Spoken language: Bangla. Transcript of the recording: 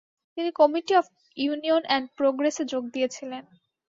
তিনি কমিটি অব ইউনিয়ন এন্ড প্রোগ্রেসে যোগ দিয়েছিলেন।